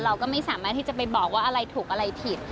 เราก็ไม่สามารถที่จะไปบอกว่าอะไรถูกอะไรผิด